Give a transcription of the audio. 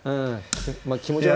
まあ気持ちは。